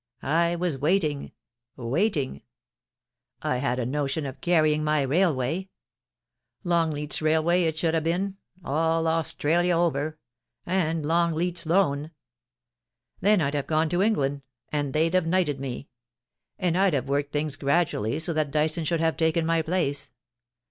I was waiting — waiting. I had a notion of carrying my railway. Longleat's Railway it should ha' been, all Australia over — and Longleat's Loan. Then I'd have gone to England, and they'd have knighted me ; and I'd have worked things gradually so that Dyson should have taken my place.